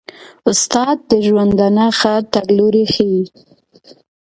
استاد د ژوندانه ښه تګلوری ښيي.